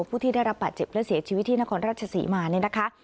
ผู้ที่ได้รับบาดเจ็บและเสียชีวิตที่นครราชศรีมาเนี่ยนะคะ